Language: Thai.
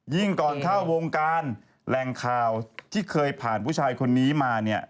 ก่อนเข้าวงการแหล่งข่าวที่เคยผ่านผู้ชายคนนี้มาเนี่ย